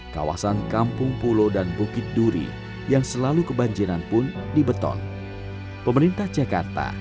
kawasan kampung pulo dan bukit duri yang selalu kebanjiran pun dibeton pemerintah jakarta